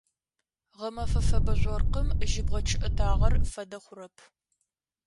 Гъэмэфэ фэбэ жъоркъым жьыбгъэ чъыӏэтагъэр фэдэ хъурэп.